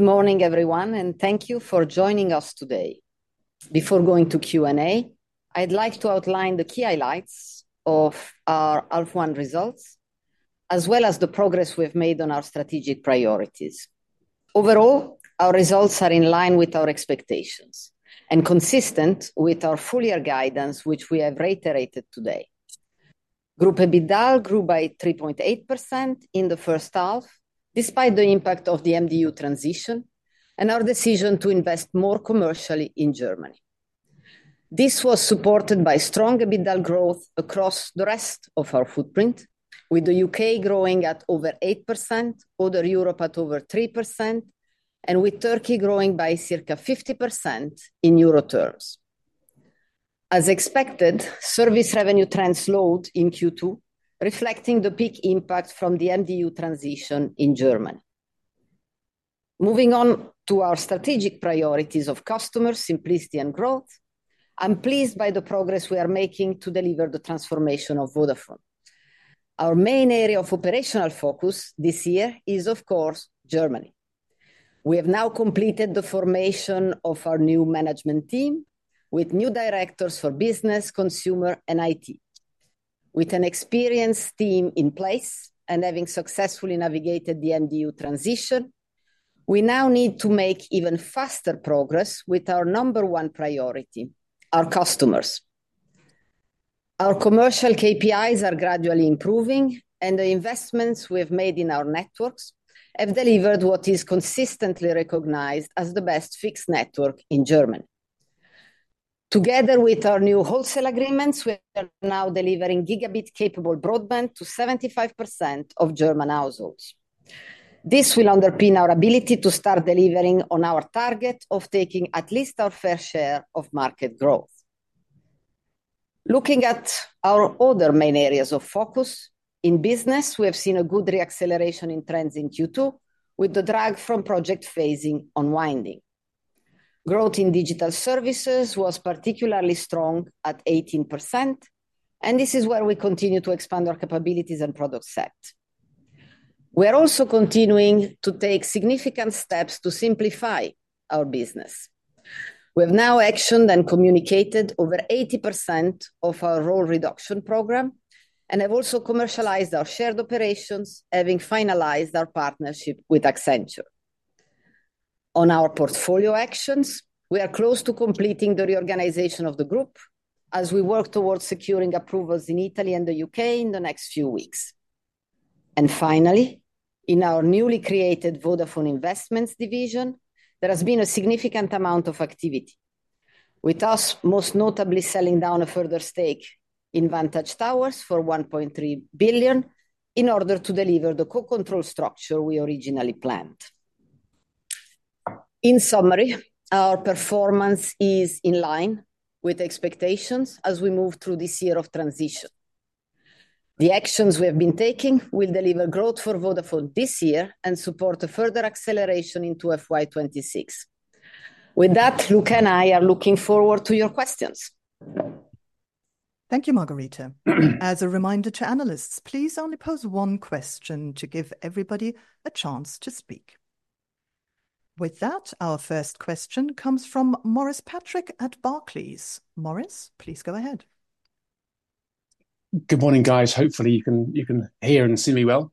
Good morning, everyone, and thank you for joining us today. Before going to Q&A, I'd like to outline the key highlights of our H1 results, as well as the progress we've made on our strategic priorities. Overall, our results are in line with our expectations and consistent with our full-year guidance, which we have reiterated today. Group EBITDA grew by 3.8% in the first half, despite the impact of the MDU transition and our decision to invest more commercially in Germany. This was supported by strong EBITDA growth across the rest of our footprint, with the U.K. growing at over 8%, Other Europe at over 3%, and with Turkey growing by circa 50% in euro terms. As expected, service revenue trends slowed in Q2, reflecting the peak impact from the MDU transition in Germany. Moving on to our strategic priorities of customer simplicity and growth, I'm pleased by the progress we are making to deliver the transformation of Vodafone. Our main area of operational focus this year is, of course, Germany. We have now completed the formation of our new management team with new directors for business, consumer, and IT. With an experienced team in place and having successfully navigated the MDU transition, we now need to make even faster progress with our number one priority: our customers. Our commercial KPIs are gradually improving, and the investments we have made in our networks have delivered what is consistently recognized as the best fixed network in Germany. Together with our new wholesale agreements, we are now delivering gigabit-capable broadband to 75% of German households. This will underpin our ability to start delivering on our target of taking at least our fair share of market growth. Looking at our other main areas of focus, in business, we have seen a good reacceleration in trends in Q2, with the drag from project phasing unwinding. Growth in digital services was particularly strong at 18%, and this is where we continue to expand our capabilities and product set. We are also continuing to take significant steps to simplify our business. We have now actioned and communicated over 80% of our role reduction program and have also commercialized our shared operations, having finalized our partnership with Accenture. On our portfolio actions, we are close to completing the reorganization of the group as we work towards securing approvals in Italy and the U.K. in the next few weeks. And finally, in our newly created Vodafone Investments division, there has been a significant amount of activity, with us most notably selling down a further stake in Vantage Towers for 1.3 billion in order to deliver the co-control structure we originally planned. In summary, our performance is in line with expectations as we move through this year of transition. The actions we have been taking will deliver growth for Vodafone this year and support a further acceleration into FY26. With that, Luka and I are looking forward to your questions. Thank you, Margherita. As a reminder to analysts, please only pose one question to give everybody a chance to speak. With that, our first question comes from Maurice Patrick at Barclays. Maurice, please go ahead. Good morning, guys. Hopefully, you can hear and see me well.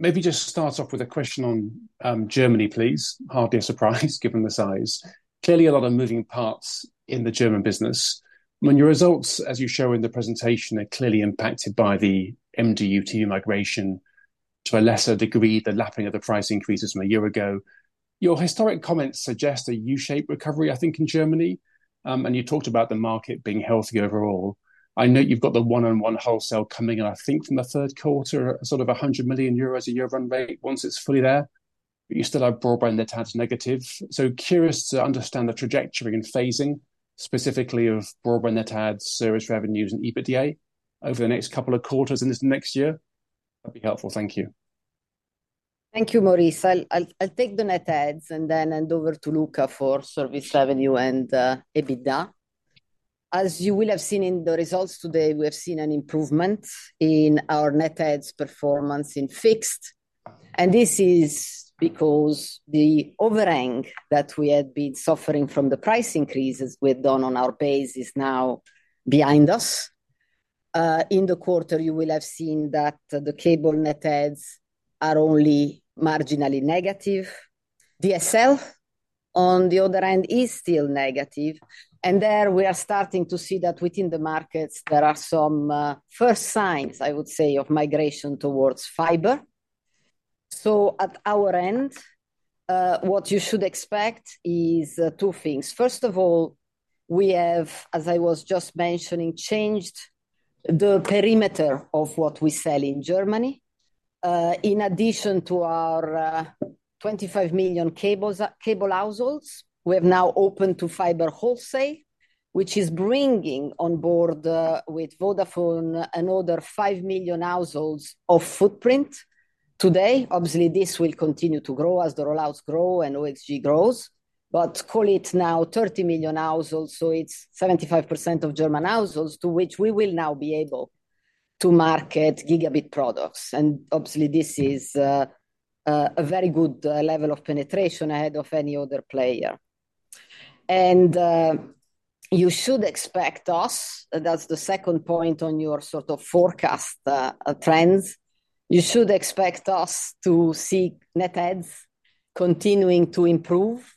Maybe just start off with a question on Germany, please. Hardly a surprise given the size. Clearly, a lot of moving parts in the German business. I mean, your results, as you show in the presentation, are clearly impacted by the MDU to SDU migration. To a lesser degree, the lapping of the price increases from a year ago. Your historic comments suggest a U-shaped recovery, I think, in Germany. And you talked about the market being healthy overall. I know you've got the 1&1 wholesale coming, and I think from the third quarter, sort of 100 million euros a year run rate once it's fully there. But you still have broadband net adds negative. Curious to understand the trajectory and phasing, specifically of broadband net adds, service revenues, and EBITDA over the next couple of quarters in this next year. That'd be helpful. Thank you. Thank you, Maurice. I'll take the net adds and then hand over to Luka for service revenue and EBITDA. As you will have seen in the results today, we have seen an improvement in our net adds performance in fixed. And this is because the overhang that we had been suffering from the price increases we've done on our base is now behind us. In the quarter, you will have seen that the cable net adds are only marginally negative. DSL, on the other hand, is still negative. And there we are starting to see that within the markets, there are some first signs, I would say, of migration towards fiber. So at our end, what you should expect is two things. First of all, we have, as I was just mentioning, changed the perimeter of what we sell in Germany. In addition to our 25 million cable households, we have now opened to fiber wholesale, which is bringing on board with Vodafone another 5 million households of footprint. Today, obviously, this will continue to grow as the rollouts grow and OXG grows, but call it now 30 million households, so it's 75% of German households to which we will now be able to market gigabit products, and obviously, this is a very good level of penetration ahead of any other player, and you should expect us, that's the second point on your sort of forecast trends, you should expect us to see net adds continuing to improve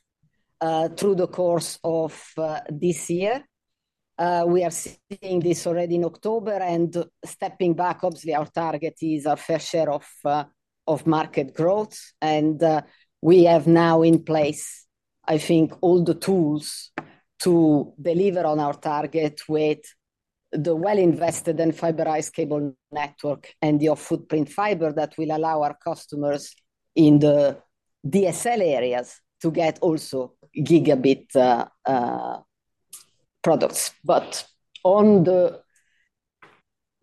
through the course of this year. We are seeing this already in October, and stepping back, obviously, our target is our fair share of market growth. We have now in place, I think, all the tools to deliver on our target with the well-invested and fiberized cable network and your footprint fiber that will allow our customers in the DSL areas to get also gigabit products. But on the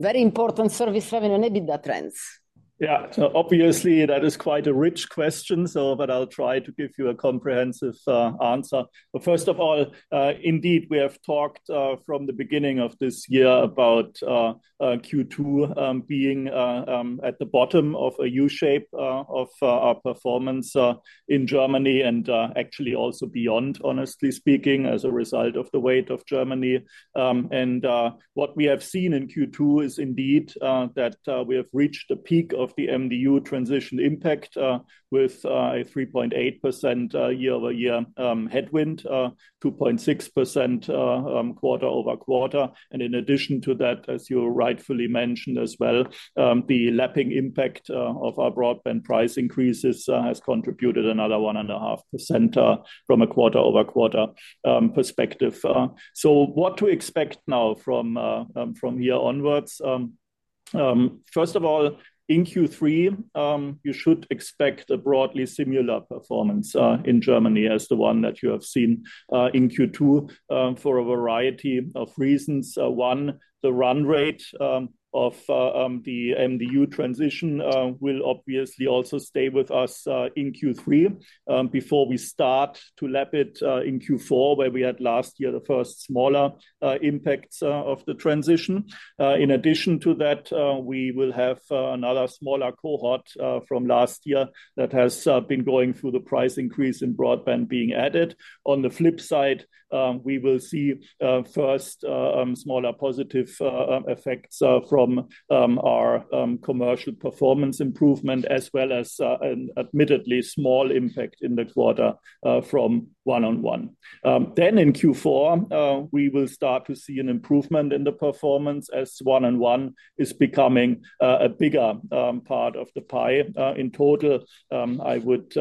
very important service revenue and EBITDA trends. Yeah, so obviously, that is quite a rich question, but I'll try to give you a comprehensive answer. But first of all, indeed, we have talked from the beginning of this year about Q2 being at the bottom of a U-shape of our performance in Germany and actually also beyond, honestly speaking, as a result of the weight of Germany. And what we have seen in Q2 is indeed that we have reached the peak of the MDU transition impact with a 3.8% year-over-year headwind, 2.6% quarter-over-quarter. And in addition to that, as you rightfully mentioned as well, the lapping impact of our broadband price increases has contributed another 1.5% from a quarter-over-quarter perspective. So what to expect now from here onwards? First of all, in Q3, you should expect a broadly similar performance in Germany as the one that you have seen in Q2 for a variety of reasons. One, the run rate of the MDU transition will obviously also stay with us in Q3 before we start to lap it in Q4, where we had last year the first smaller impacts of the transition. In addition to that, we will have another smaller cohort from last year that has been going through the price increase in broadband being added. On the flip side, we will see first smaller positive effects from our commercial performance improvement, as well as an admittedly small impact in the quarter from 1&1, then in Q4, we will start to see an improvement in the performance as 1&1 is becoming a bigger part of the pie. In total, I would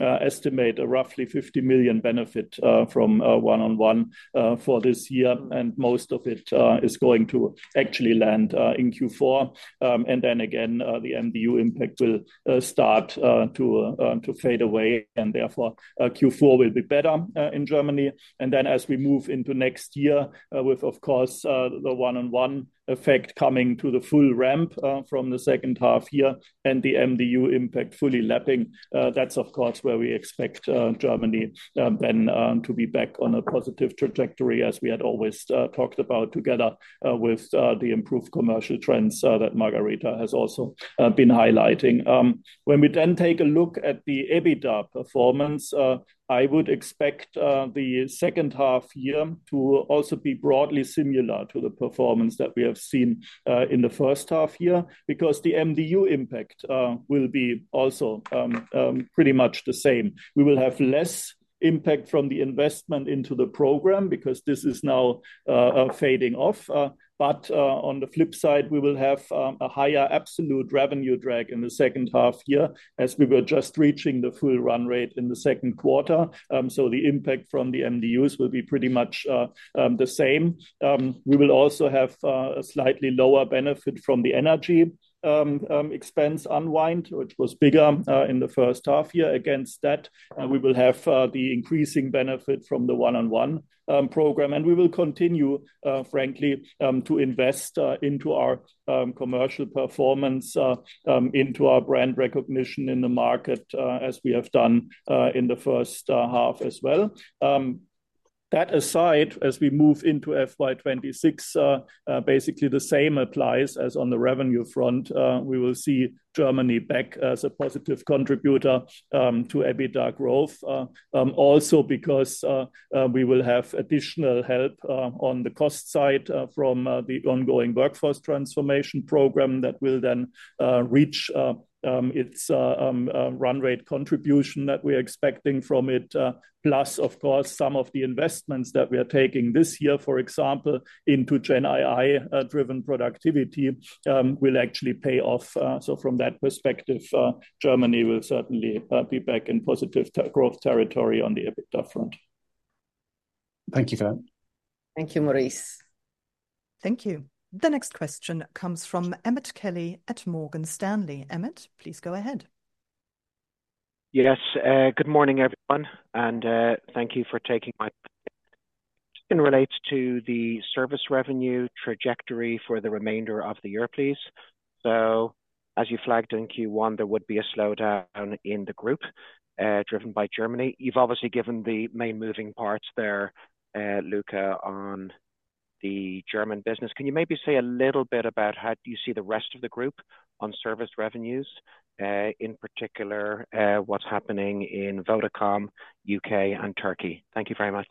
estimate a roughly 50 million benefit from 1&1 for this year, and most of it is going to actually land in Q4, and then again, the MDU impact will start to fade away. Therefore, Q4 will be better in Germany. Then as we move into next year with, of course, the 1&1 effect coming to the full ramp from the second half year and the MDU impact fully lapping, that's, of course, where we expect Germany then to be back on a positive trajectory, as we had always talked about together with the improved commercial trends that Margherita has also been highlighting. When we then take a look at the EBITDA performance, I would expect the second half year to also be broadly similar to the performance that we have seen in the first half year because the MDU impact will be also pretty much the same. We will have less impact from the investment into the program because this is now fading off. But on the flip side, we will have a higher absolute revenue drag in the second half year as we were just reaching the full run rate in the second quarter. So the impact from the MDUs will be pretty much the same. We will also have a slightly lower benefit from the energy expense unwind, which was bigger in the first half year against that. We will have the increasing benefit from the 1&1 program. And we will continue, frankly, to invest into our commercial performance, into our brand recognition in the market, as we have done in the first half as well. That aside, as we move into FY26, basically the same applies as on the revenue front. We will see Germany back as a positive contributor to EBITDA growth, also because we will have additional help on the cost side from the ongoing workforce transformation program that will then reach its run rate contribution that we are expecting from it. Plus, of course, some of the investments that we are taking this year, for example, into GenAI-driven productivity will actually pay off. So from that perspective, Germany will certainly be back in positive growth territory on the EBITDA front. Thank you for that. Thank you, Maurice. Thank you. The next question comes from Emmett Kelly at Morgan Stanley. Emmett, please go ahead. Yes, good morning, everyone. Thank you for taking the time. Just in relation to the service revenue trajectory for the remainder of the year, please. As you flagged in Q1, there would be a slowdown in the group driven by Germany. You've obviously given the main moving parts there, Luka, on the German business. Can you maybe say a little bit about how do you see the rest of the group on service revenues, in particular what's happening in Vodacom, UK, and Turkey? Thank you very much.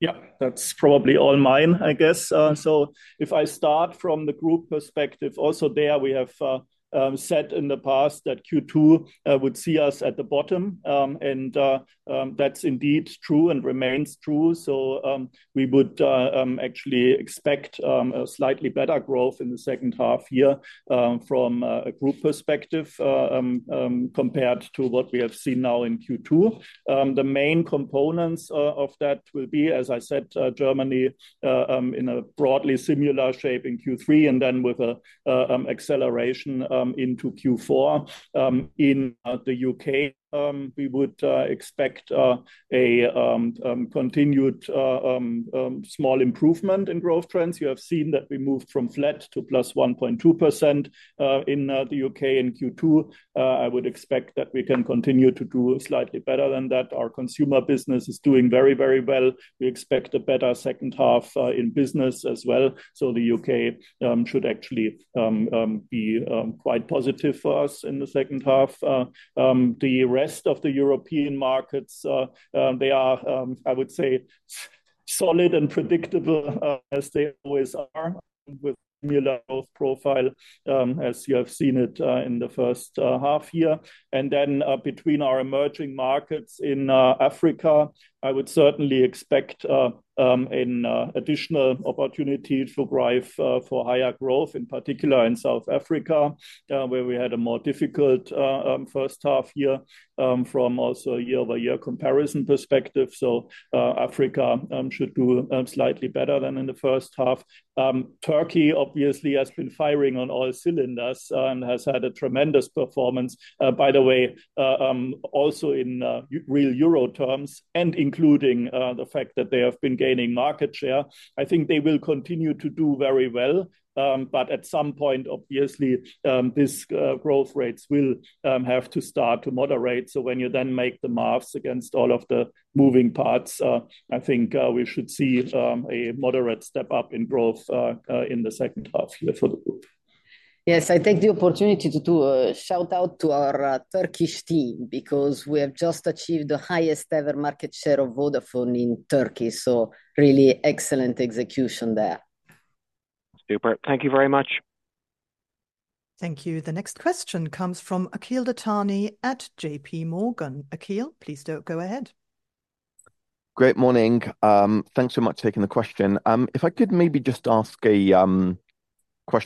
Yeah, that's probably all mine, I guess. So if I start from the group perspective, also there we have said in the past that Q2 would see us at the bottom. And that's indeed true and remains true. So we would actually expect a slightly better growth in the second half year from a group perspective compared to what we have seen now in Q2. The main components of that will be, as I said, Germany in a broadly similar shape in Q3 and then with an acceleration into Q4. In the UK, we would expect a continued small improvement in growth trends. You have seen that we moved from flat to plus 1.2% in the UK in Q2. I would expect that we can continue to do slightly better than that. Our consumer business is doing very, very well. We expect a better second half in business as well. So the UK should actually be quite positive for us in the second half. The rest of the European markets, they are, I would say, solid and predictable as they always are with similar growth profile as you have seen it in the first half year. And then between our emerging markets in Africa, I would certainly expect an additional opportunity to drive for higher growth, in particular in South Africa, where we had a more difficult first half year from also a year-over-year comparison perspective. So Africa should do slightly better than in the first half. Turkey, obviously, has been firing on all cylinders and has had a tremendous performance, by the way, also in real euro terms and including the fact that they have been gaining market share. I think they will continue to do very well. At some point, obviously, these growth rates will have to start to moderate. When you then make the math against all of the moving parts, I think we should see a moderate step up in growth in the second half year for the group. Yes, I take the opportunity to do a shout-out to our Turkish team because we have just achieved the highest ever market share of Vodafone in Turkey. So really excellent execution there. Super. Thank you very much. Thank you. The next question comes from Akhil Dattani at JPMorgan. Akhil, please go ahead. Good morning. Thanks so much for taking the question. If I could maybe just ask a question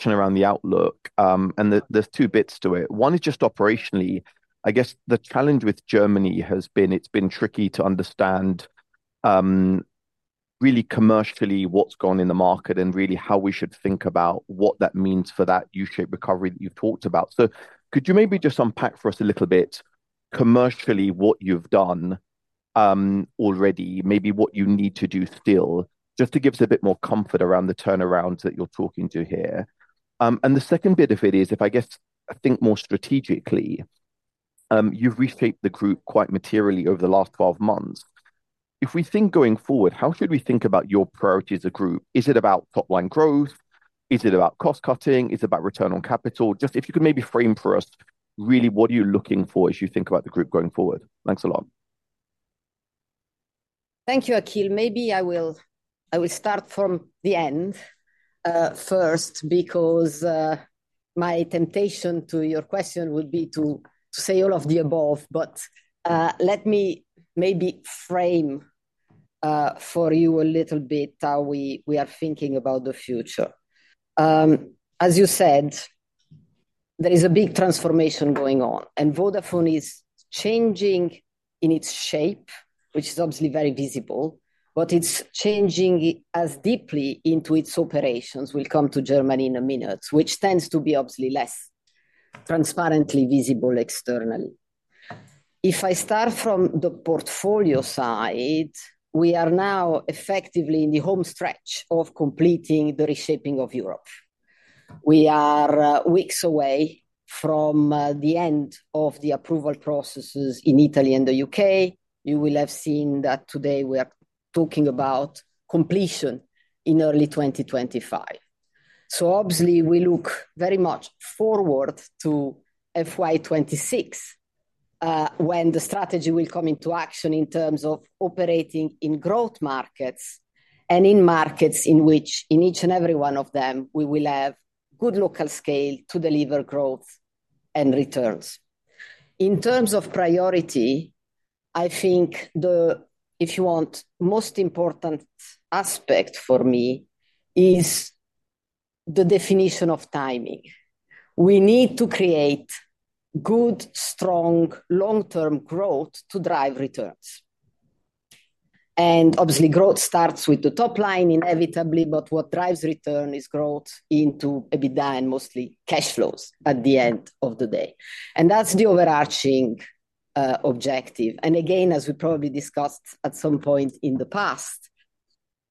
around the outlook, and there's two bits to it. One is just operationally, I guess the challenge with Germany has been it's been tricky to understand really commercially what's gone in the market and really how we should think about what that means for that U-shape recovery that you've talked about. So could you maybe just unpack for us a little bit commercially what you've done already, maybe what you need to do still, just to give us a bit more comfort around the turnarounds that you're talking to here? And the second bit of it is, if I guess, I think more strategically, you've reshaped the group quite materially over the last 12 months. If we think going forward, how should we think about your priorities as a group? Is it about top-line growth? Is it about cost-cutting? Is it about return on capital? Just if you could maybe frame for us, really, what are you looking for as you think about the group going forward? Thanks a lot. Thank you, Akhil. Maybe I will start from the end first because my temptation to your question would be to say all of the above. But let me maybe frame for you a little bit how we are thinking about the future. As you said, there is a big transformation going on, and Vodafone is changing in its shape, which is obviously very visible, but it's changing as deeply into its operations. We'll come to Germany in a minute, which tends to be obviously less transparently visible externally. If I start from the portfolio side, we are now effectively in the home stretch of completing the reshaping of Europe. We are weeks away from the end of the approval processes in Italy and the U.K. You will have seen that today we are talking about completion in early 2025. So obviously, we look very much forward to FY26 when the strategy will come into action in terms of operating in growth markets and in markets in which, in each and every one of them, we will have good local scale to deliver growth and returns. In terms of priority, I think the, if you want, most important aspect for me is the definition of timing. We need to create good, strong, long-term growth to drive returns. And obviously, growth starts with the top line inevitably. But what drives return is growth into EBITDA and mostly cash flows at the end of the day. And that's the overarching objective. And again, as we probably discussed at some point in the past,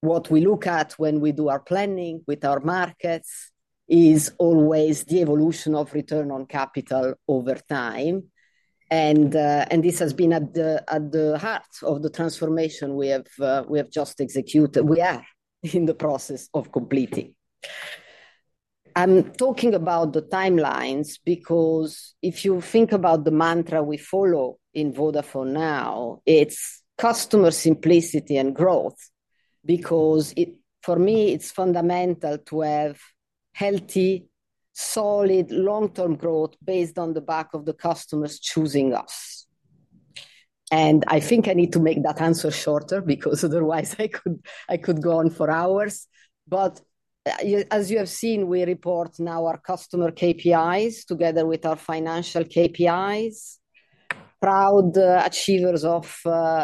what we look at when we do our planning with our markets is always the evolution of return on capital over time. This has been at the heart of the transformation we have just executed. We are in the process of completing. I'm talking about the timelines because if you think about the mantra we follow in Vodafone now, it's customer simplicity and growth. Because for me, it's fundamental to have healthy, solid, long-term growth based on the back of the customers choosing us. I think I need to make that answer shorter because otherwise I could go on for hours. As you have seen, we report now our customer KPIs together with our financial KPIs. Proud achievers of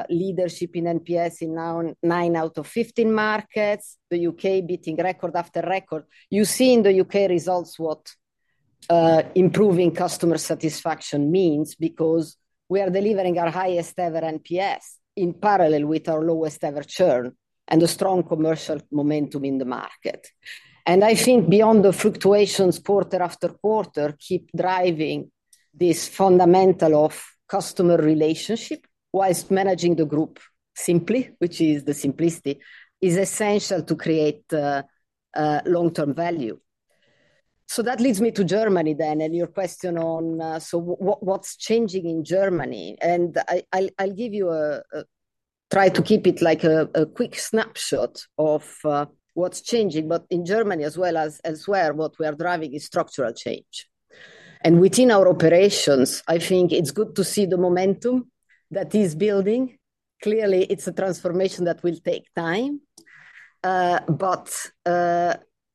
leadership in NPS in now nine out of 15 markets, the U.K. beating record after record. You see in the U.K. results what improving customer satisfaction means because we are delivering our highest ever NPS in parallel with our lowest ever churn and a strong commercial momentum in the market. And I think beyond the fluctuations, quarter after quarter, keep driving this fundamental of customer relationship while managing the group simply, which is the simplicity, is essential to create long-term value. So that leads me to Germany then and your question on so what's changing in Germany. And I'll give it a try to keep it like a quick snapshot of what's changing. But in Germany as well, as well, what we are driving is structural change. And within our operations, I think it's good to see the momentum that is building. Clearly, it's a transformation that will take time. But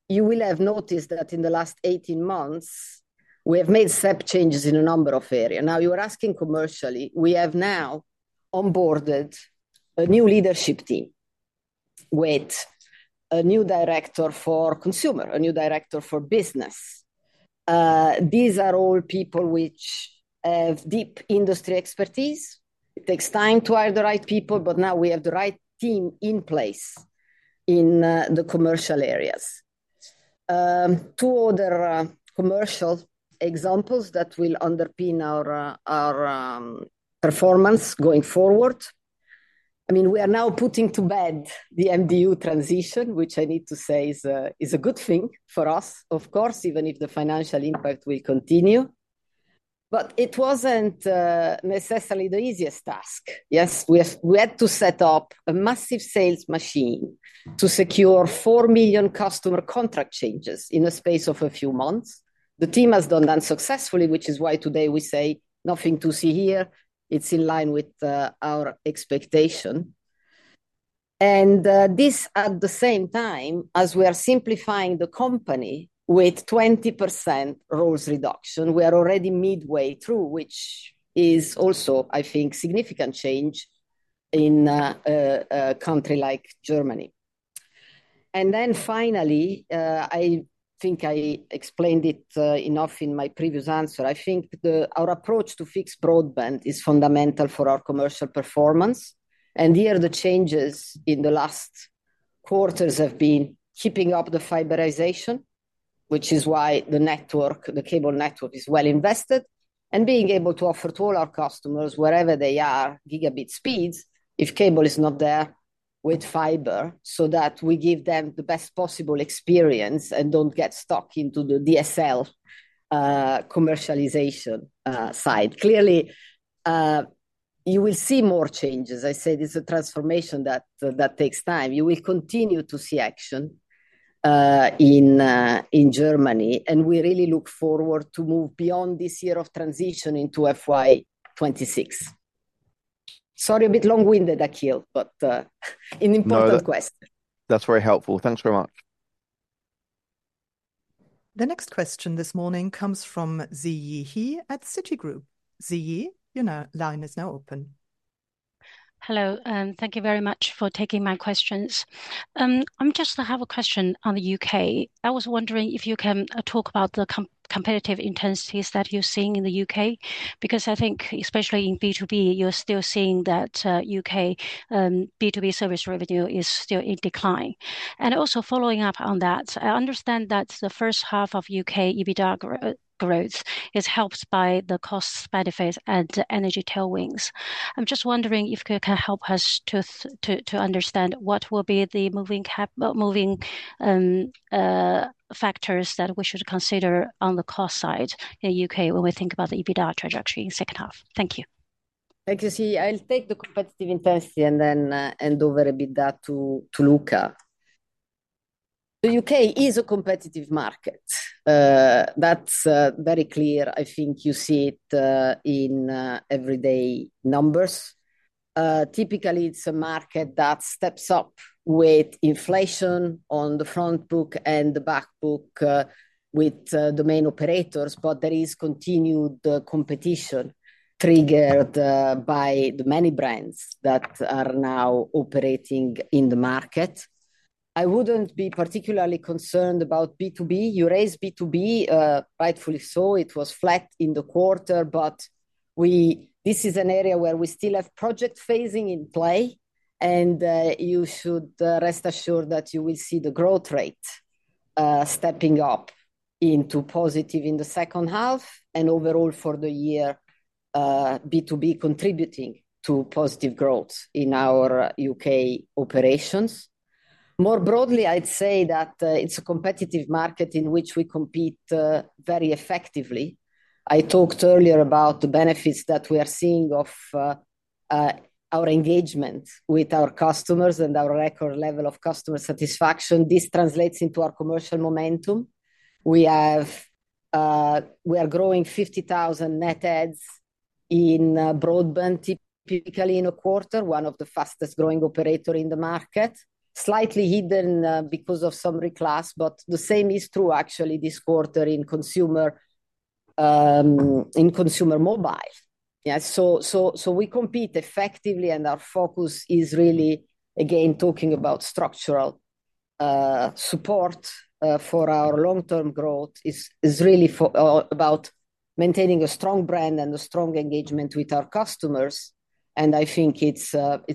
you will have noticed that in the last 18 months, we have made step changes in a number of areas. Now, you were asking commercially. We have now onboarded a new leadership team with a new director for consumer, a new director for business. These are all people which have deep industry expertise. It takes time to hire the right people. But now we have the right team in place in the commercial areas. Two other commercial examples that will underpin our performance going forward. I mean, we are now putting to bed the MDU transition, which I need to say is a good thing for us, of course, even if the financial impact will continue. But it wasn't necessarily the easiest task. Yes, we had to set up a massive sales machine to secure four million customer contract changes in the space of a few months. The team has done that successfully, which is why today we say nothing to see here. It's in line with our expectation. This, at the same time as we are simplifying the company with 20% roles reduction, we are already midway through, which is also, I think, significant change in a country like Germany. Then finally, I think I explained it enough in my previous answer. I think our approach to fixed broadband is fundamental for our commercial performance. Here, the changes in the last quarters have been keeping up the fiberization, which is why the network, the cable network, is well invested and being able to offer to all our customers, wherever they are, gigabit speeds if cable is not there with fiber so that we give them the best possible experience and don't get stuck into the DSL commercialization side. Clearly, you will see more changes. I said it's a transformation that takes time. You will continue to see action in Germany. We really look forward to move beyond this year of transition into FY26. Sorry, a bit long-winded, Akhil, but an important question. That's very helpful. Thanks very much. The next question this morning comes from Ziyi He at Citigroup. Ziyi, your line is now open. Hello. Thank you very much for taking my questions. I'm just going to have a question on the UK. I was wondering if you can talk about the competitive intensities that you're seeing in the UK because I think, especially in B2B, you're still seeing that UK B2B service revenue is still in decline. And also following up on that, I understand that the first half of UK EBITDA growth is helped by the cost benefits and energy tailwinds. I'm just wondering if you can help us to understand what will be the moving factors that we should consider on the cost side in the UK when we think about the EBITDA trajectory in the second half. Thank you. Thank you, Ziyi. I'll take the competitive intensity and then hand over a bit of that to Luka. The UK is a competitive market. That's very clear. I think you see it in everyday numbers. Typically, it's a market that steps up with inflation on the front book and the back book with dominant operators. But there is continued competition triggered by the many brands that are now operating in the market. I wouldn't be particularly concerned about B2B. You raised B2B, rightfully so. It was flat in the quarter. But this is an area where we still have project phasing in play. And you should rest assured that you will see the growth rate stepping up into positive in the second half and overall for the year B2B contributing to positive growth in our UK operations. More broadly, I'd say that it's a competitive market in which we compete very effectively. I talked earlier about the benefits that we are seeing of our engagement with our customers and our record level of customer satisfaction. This translates into our commercial momentum. We are growing 50,000 net adds in broadband typically in a quarter, one of the fastest growing operators in the market, slightly hidden because of some reclass. But the same is true, actually, this quarter in consumer mobile. So we compete effectively. And our focus is really, again, talking about structural support for our long-term growth is really about maintaining a strong brand and a strong engagement with our customers. And I think it's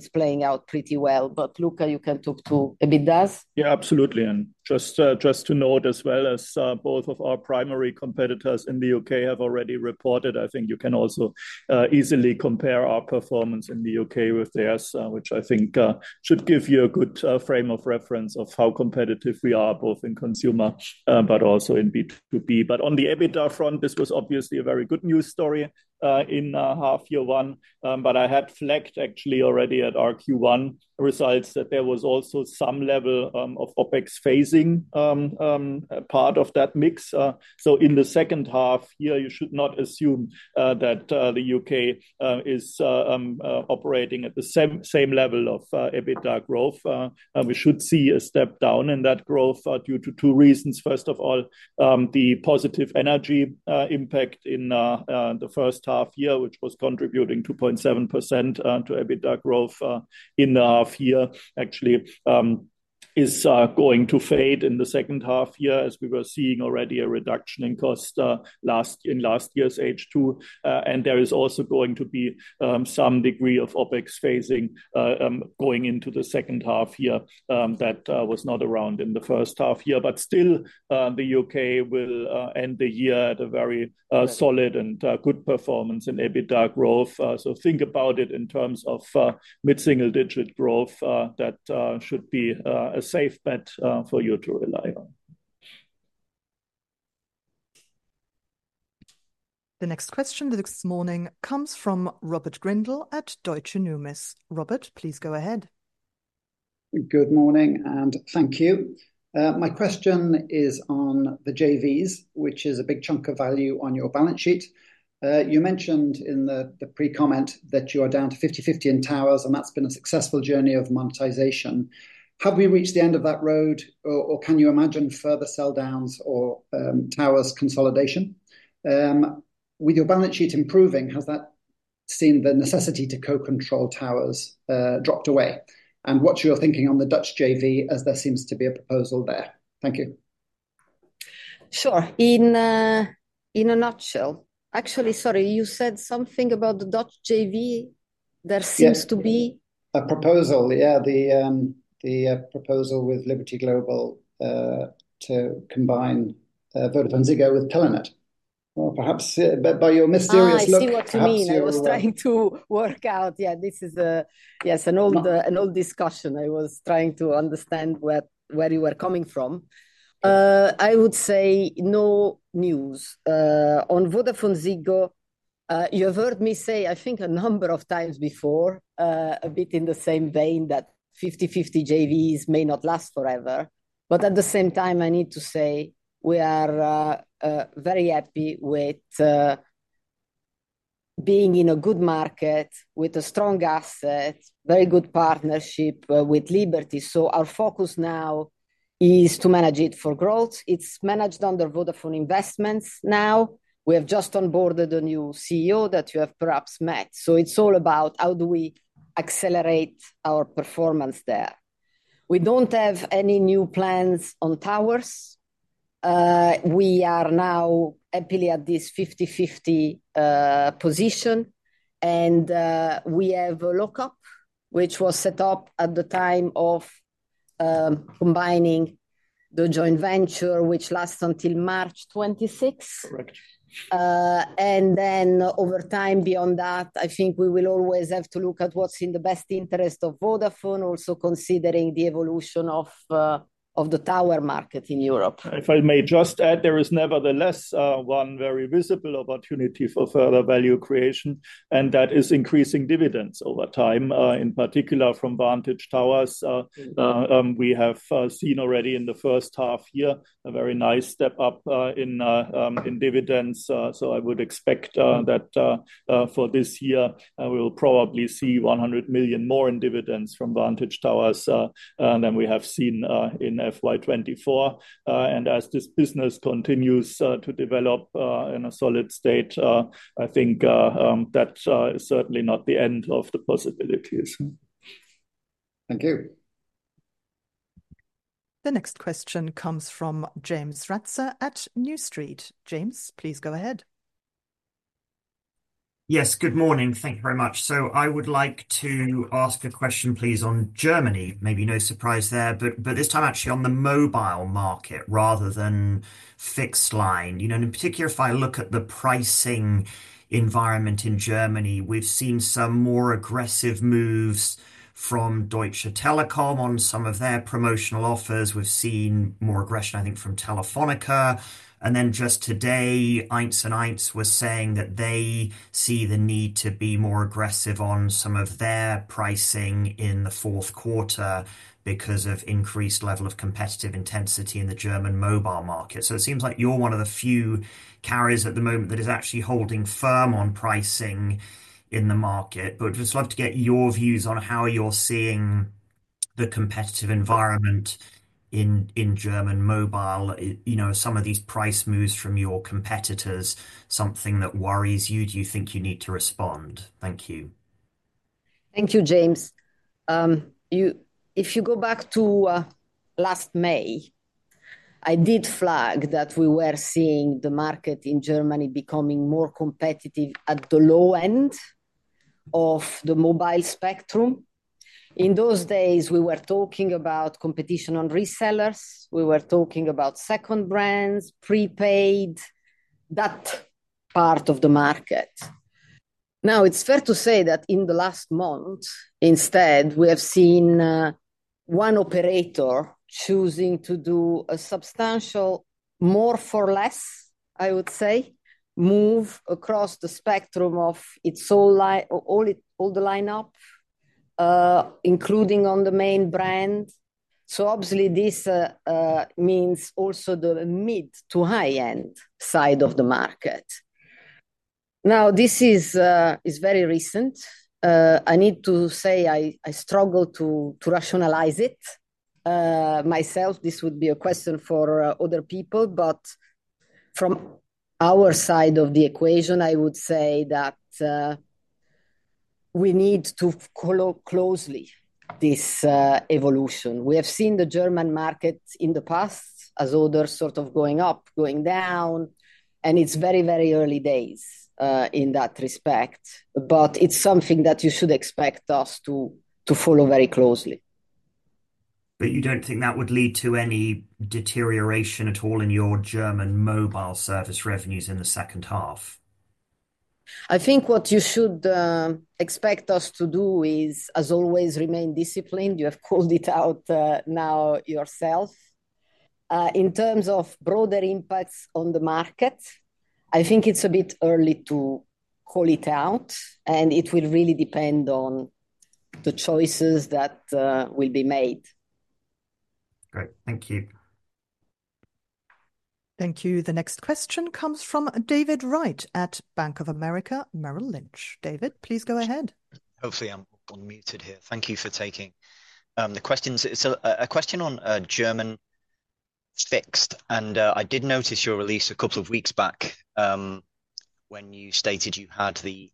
playing out pretty well. But Luka, you can talk to EBITDA. Yeah, absolutely, and just to note as well as both of our primary competitors in the UK have already reported, I think you can also easily compare our performance in the UK with theirs, which I think should give you a good frame of reference of how competitive we are both in consumer but also in B2B, but on the EBITDA front, this was obviously a very good news story in half year one, but I had flagged actually already at our Q1 results that there was also some level of OpEx phasing part of that mix, so in the second half here, you should not assume that the UK is operating at the same level of EBITDA growth. We should see a step down in that growth due to two reasons. First of all, the positive energy impact in the first half year, which was contributing 2.7% to EBITDA growth in the half year, actually is going to fade in the second half year as we were seeing already a reduction in cost in last year's H2, and there is also going to be some degree of OPEX phasing going into the second half year that was not around in the first half year, but still, the U.K. will end the year at a very solid and good performance in EBITDA growth, so think about it in terms of mid-single digit growth that should be a safe bet for you to rely on. The next question this morning comes from Robert Grindle at Deutsche Numis. Robert, please go ahead. Good morning. And thank you. My question is on the JVs, which is a big chunk of value on your balance sheet. You mentioned in the pre-comment that you are down to 50/50 in towers, and that's been a successful journey of monetization. Have we reached the end of that road, or can you imagine further sell downs or towers consolidation? With your balance sheet improving, has that seen the necessity to co-control towers dropped away? And what's your thinking on the Dutch JV as there seems to be a proposal there? Thank you. Sure. In a nutshell, actually, sorry, you said something about the Dutch JV. There seems to be. A proposal, yeah, the proposal with Liberty Global to combine VodafoneZiggo with Telenet. Well, perhaps by your mysterious look. I see what you mean. I was trying to work out. Yeah, this is, yes, an old discussion. I was trying to understand where you were coming from. I would say no news. On VodafoneZiggo, you have heard me say, I think, a number of times before a bit in the same vein that 50/50 JVs may not last forever. But at the same time, I need to say we are very happy with being in a good market with a strong asset, very good partnership with Liberty. So our focus now is to manage it for growth. It's managed under Vodafone Investments now. We have just onboarded a new CEO that you have perhaps met. So it's all about how do we accelerate our performance there. We don't have any new plans on towers. We are now happily at this 50/50 position. We have a lockup, which was set up at the time of combining the joint venture, which lasts until March 26. Then over time beyond that, I think we will always have to look at what's in the best interest of Vodafone, also considering the evolution of the tower market in Europe. If I may just add, there is nevertheless one very visible opportunity for further value creation. And that is increasing dividends over time, in particular from Vantage Towers. We have seen already in the first half year a very nice step up in dividends. So I would expect that for this year, we will probably see 100 million more in dividends from Vantage Towers than we have seen in FY24. And as this business continues to develop in a solid state, I think that is certainly not the end of the possibilities. Thank you. The next question comes from James Ratzer at New Street. James, please go ahead. Yes, good morning. Thank you very much. So I would like to ask a question, please, on Germany, maybe no surprise there, but this time actually on the mobile market rather than fixed line. In particular, if I look at the pricing environment in Germany, we've seen some more aggressive moves from Deutsche Telekom on some of their promotional offers. We've seen more aggression, I think, from Telefónica. And then just today, 1&1 were saying that they see the need to be more aggressive on some of their pricing in the fourth quarter because of increased level of competitive intensity in the German mobile market. So it seems like you're one of the few carriers at the moment that is actually holding firm on pricing in the market. But we'd just love to get your views on how you're seeing the competitive environment in German mobile, some of these price moves from your competitors, something that worries you. Do you think you need to respond? Thank you. Thank you, James. If you go back to last May, I did flag that we were seeing the market in Germany becoming more competitive at the low end of the mobile spectrum. In those days, we were talking about competition on resellers. We were talking about second brands, prepaid, that part of the market. Now, it's fair to say that in the last month, instead, we have seen one operator choosing to do a substantial more for less, I would say, move across the spectrum of all the lineup, including on the main brand. So obviously, this means also the mid to high-end side of the market. Now, this is very recent. I need to say I struggle to rationalize it myself. This would be a question for other people. But from our side of the equation, I would say that we need to follow closely this evolution. We have seen the German market in the past as others sort of going up, going down, and it's very, very early days in that respect, but it's something that you should expect us to follow very closely. But you don't think that would lead to any deterioration at all in your German mobile service revenues in the second half? I think what you should expect us to do is, as always, remain disciplined. You have called it out now yourself. In terms of broader impacts on the market, I think it's a bit early to call it out, and it will really depend on the choices that will be made. Great. Thank you. Thank you. The next question comes from David Wright at Bank of America Merrill Lynch. David, please go ahead. Hopefully, I'm unmuted here. Thank you for taking the question. It's a question on German fixed, and I did notice your release a couple of weeks back when you stated you had the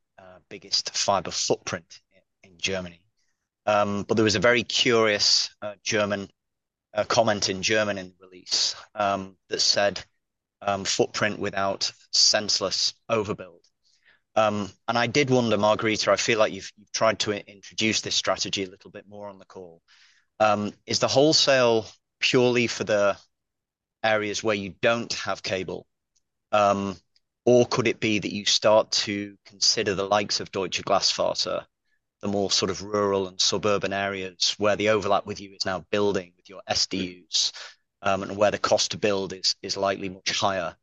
biggest fiber footprint in Germany, but there was a very curious German comment in German in the release that said, "Footprint without senseless overbuild," and I did wonder, Margherita, I feel like you've tried to introduce this strategy a little bit more on the call. Is the wholesale purely for the areas where you don't have cable? Or could it be that you start to consider the likes of Deutsche Glasfaser, the more sort of rural and suburban areas where the overlap with you is now building with your SDUs and where the cost to build is likely much higher?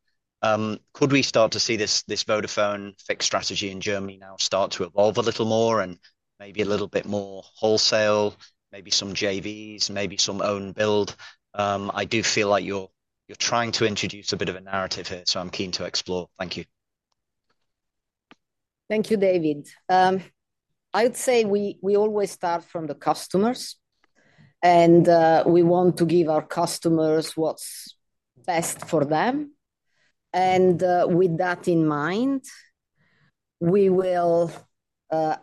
Could we start to see this Vodafone fixed strategy in Germany now start to evolve a little more and maybe a little bit more wholesale, maybe some JVs, maybe some own build? I do feel like you're trying to introduce a bit of a narrative here, so I'm keen to explore. Thank you. Thank you, David. I would say we always start from the customers. And we want to give our customers what's best for them. And with that in mind, we will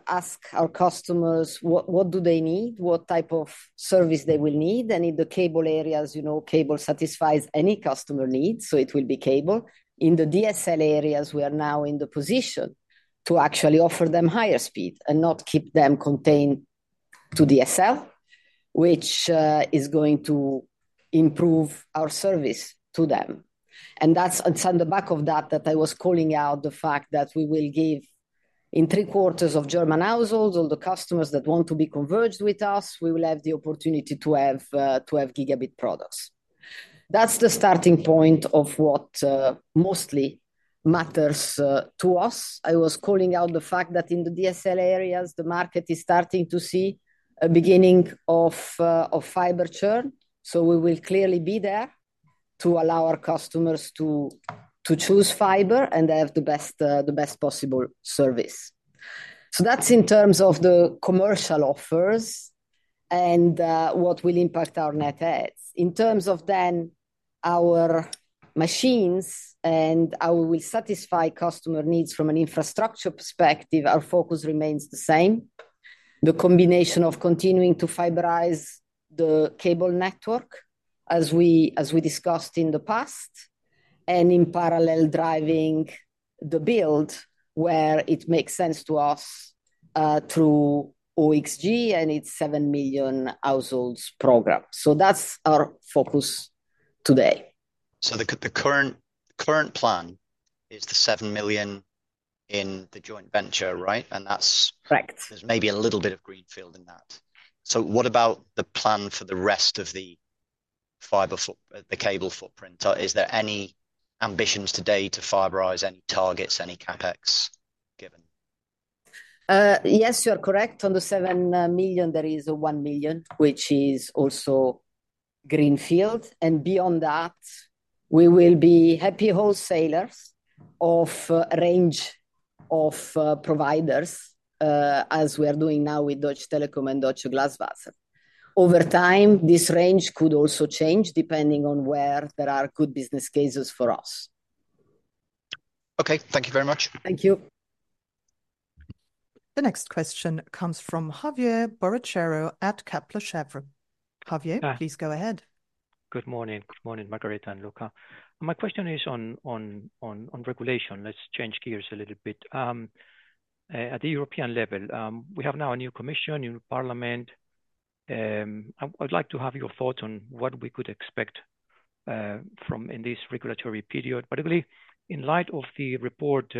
ask our customers what do they need, what type of service they will need. And in the cable areas, cable satisfies any customer need, so it will be cable. In the DSL areas, we are now in the position to actually offer them higher speed and not keep them contained to DSL, which is going to improve our service to them. And that's on the back of that that I was calling out the fact that we will give in three quarters of German households, all the customers that want to be converged with us, we will have the opportunity to have gigabit products. That's the starting point of what mostly matters to us. I was calling out the fact that in the DSL areas, the market is starting to see a beginning of fiber churn. So we will clearly be there to allow our customers to choose fiber and have the best possible service. So that's in terms of the commercial offers and what will impact our net adds. In terms of then our means and how we will satisfy customer needs from an infrastructure perspective, our focus remains the same, the combination of continuing to fiberize the cable network as we discussed in the past and in parallel driving the build where it makes sense to us through OXG and its seven million households program. So that's our focus today. So the current plan is the seven million in the joint venture, right? And there's maybe a little bit of greenfield in that. So what about the plan for the rest of the cable footprint? Is there any ambitions today to fiberize any targets, any CapEx given? Yes, you are correct. On the 7 million, there is 1 million, which is also greenfield. And beyond that, we will be happy wholesalers of a range of providers as we are doing now with Deutsche Telekom and Deutsche Glasfaser. Over time, this range could also change depending on where there are good business cases for us. Okay. Thank you very much. Thank you. The next question comes from Javier Borrochero at Kepler Cheuvreux. Javier, please go ahead. Good morning. Good morning, Margherita and Luka. My question is on regulation. Let's change gears a little bit. At the European level, we have now a new commission, new parliament. I would like to have your thoughts on what we could expect in this regulatory period. Particularly in light of the report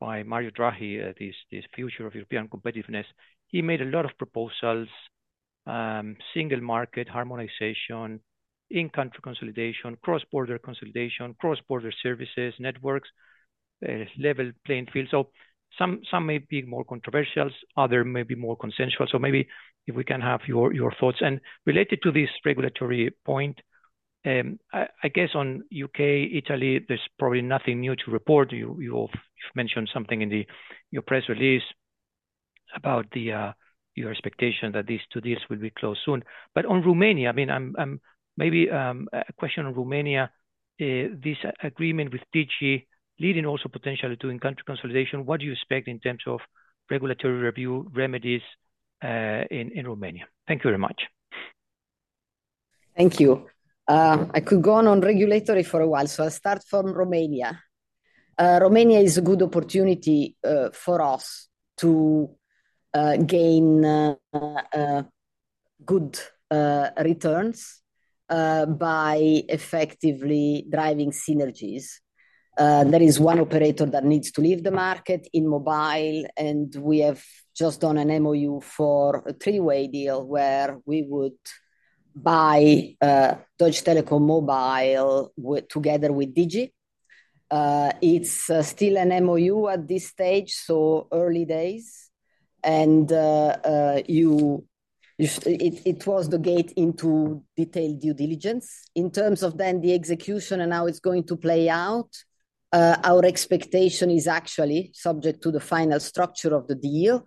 by Mario Draghi, this future of European competitiveness, he made a lot of proposals, single market harmonization, in-country consolidation, cross-border consolidation, cross-border services, networks, level playing field. So some may be more controversial, other may be more consensual. So maybe if we can have your thoughts. And related to this regulatory point, I guess on UK, Italy, there's probably nothing new to report. You've mentioned something in your press release about your expectation that these two deals will be closed soon. But on Romania, I mean, maybe a question on Romania, this agreement with Digi leading also potentially to in-country consolidation, what do you expect in terms of regulatory review remedies in Romania? Thank you very much. Thank you. I could go on on regulatory for a while. So I'll start from Romania. Romania is a good opportunity for us to gain good returns by effectively driving synergies. There is one operator that needs to leave the market in mobile. And we have just done an MoU for a three-way deal where we would buy Deutsche Telekom mobile together with Digi. It's still an MoU at this stage, so early days. And it was the gate into detailed due diligence. In terms of then the execution and how it's going to play out, our expectation is actually subject to the final structure of the deal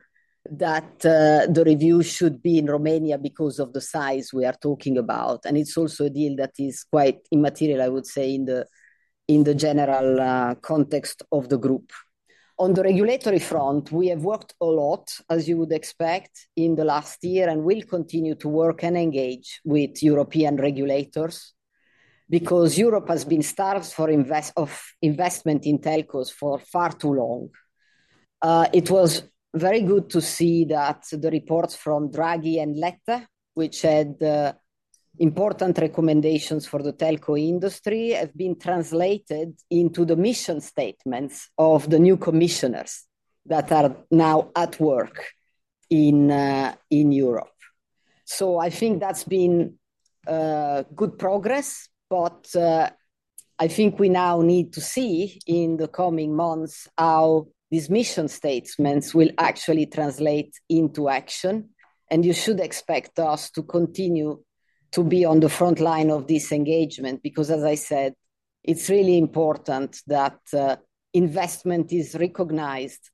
that the review should be in Romania because of the size we are talking about. And it's also a deal that is quite immaterial, I would say, in the general context of the group. On the regulatory front, we have worked a lot, as you would expect, in the last year and will continue to work and engage with European regulators because Europe has been starved for investment in telcos for far too long. It was very good to see that the reports from Draghi and Letta, which had important recommendations for the telco industry, have been translated into the mission statements of the new commissioners that are now at work in Europe. So I think that's been good progress. But I think we now need to see in the coming months how these mission statements will actually translate into action. You should expect us to continue to be on the front line of this engagement because, as I said, it's really important that investment is recognized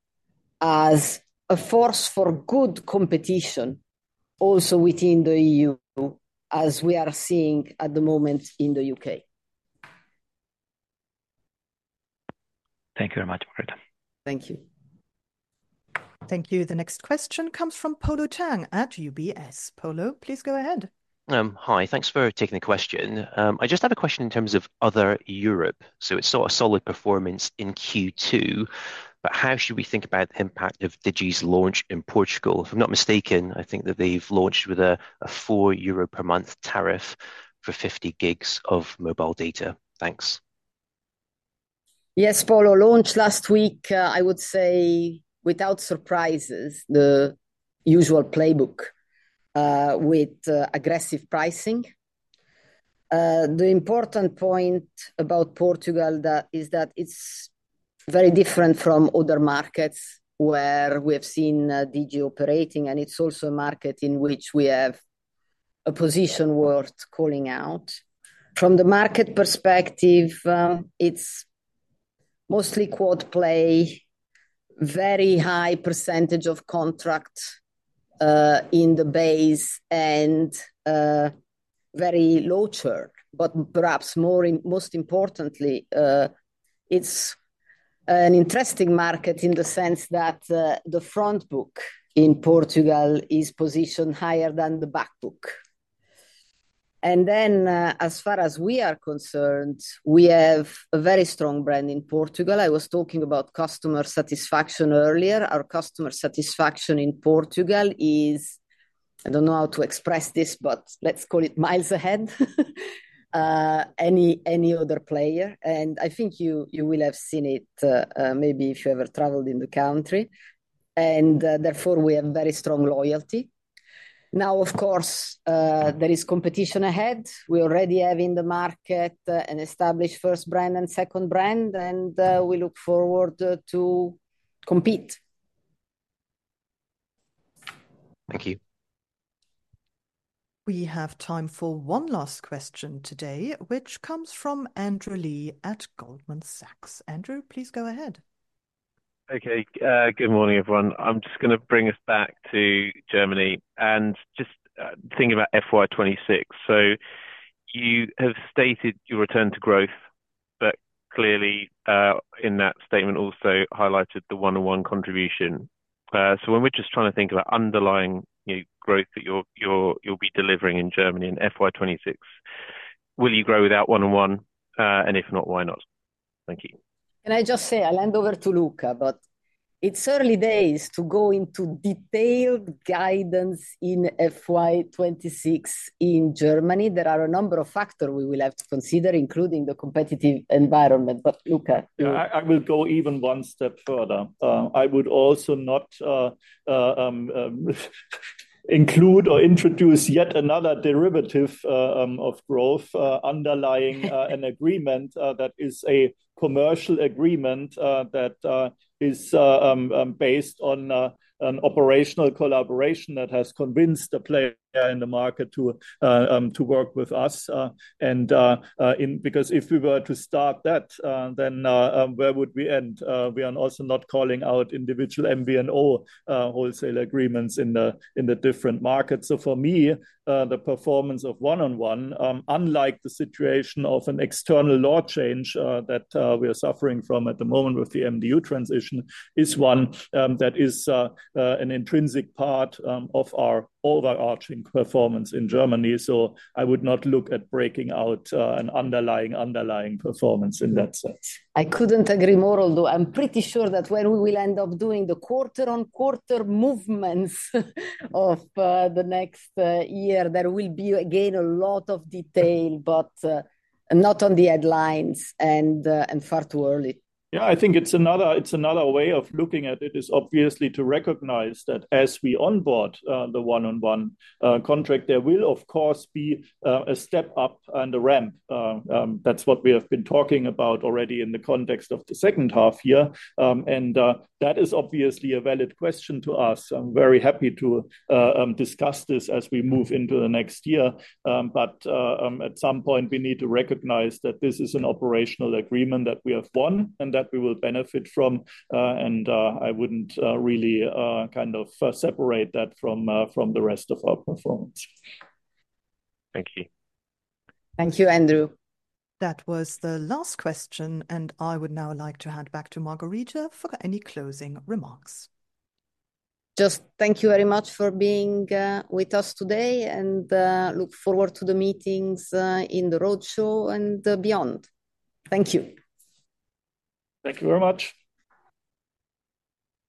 as a force for good competition also within the EU, as we are seeing at the moment in the UK. Thank you very much, Margherita. Thank you. Thank you. The next question comes from Polo Tang at UBS. Polo, please go ahead. Hi. Thanks for taking the question. I just have a question in terms of other Europe. So it's sort of solid performance in Q2. But how should we think about the impact of Digi's launch in Portugal? If I'm not mistaken, I think that they've launched with a four euro per month tariff for 50 gigs of mobile data. Thanks. Yes, Polo, launched last week, I would say, without surprises, the usual playbook with aggressive pricing. The important point about Portugal is that it's very different from other markets where we have seen Digi operating, and it's also a market in which we have a position worth calling out. From the market perspective, it's mostly quad play, very high percentage of contract in the base, and very low churn, but perhaps most importantly, it's an interesting market in the sense that the front book in Portugal is positioned higher than the back book, and then, as far as we are concerned, we have a very strong brand in Portugal. I was talking about customer satisfaction earlier. Our customer satisfaction in Portugal is, I don't know how to express this, but let's call it miles ahead any other player. I think you will have seen it maybe if you ever traveled in the country. And therefore, we have very strong loyalty. Now, of course, there is competition ahead. We already have in the market an established first brand and second brand. We look forward to compete. Thank you. We have time for one last question today, which comes from Andrew Lee at Goldman Sachs. Andrew, please go ahead. Okay. Good morning, everyone. I'm just going to bring us back to Germany and just thinking about FY26. So you have stated your return to growth, but clearly in that statement also highlighted the 1&1 contribution. So when we're just trying to think about underlying growth that you'll be delivering in Germany in FY26, will you grow without 1&1? And if not, why not? Thank you. Can I just say, I'll hand over to Luka, but it's early days to go into detailed guidance in FY26 in Germany. There are a number of factors we will have to consider, including the competitive environment. But Luka. I will go even one step further. I would also not include or introduce yet another derivative of growth underlying an agreement that is a commercial agreement that is based on an operational collaboration that has convinced the player in the market to work with us, and because if we were to start that, then where would we end? We are also not calling out individual MV and all wholesale agreements in the different markets, so for me, the performance of 1&1, unlike the situation of an external law change that we are suffering from at the moment with the MDU transition, is one that is an intrinsic part of our overarching performance in Germany, so I would not look at breaking out an underlying underlying performance in that sense. I couldn't agree more, although I'm pretty sure that when we will end up doing the quarter-on-quarter movements of the next year, there will be again a lot of detail, but not on the headlines and far too early. Yeah, I think it's another way of looking at it is obviously to recognize that as we onboard the 1&1 contract, there will of course be a step up and a ramp. That's what we have been talking about already in the context of the second half here. And that is obviously a valid question to us. I'm very happy to discuss this as we move into the next year. But at some point, we need to recognize that this is an operational agreement that we have won and that we will benefit from. And I wouldn't really kind of separate that from the rest of our performance. Thank you. Thank you, Andrew. That was the last question, and I would now like to hand back to Margherita for any closing remarks. Just thank you very much for being with us today and look forward to the meetings in the roadshow and beyond. Thank you. Thank you very much.